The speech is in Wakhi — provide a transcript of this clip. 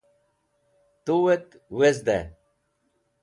Tuet wezday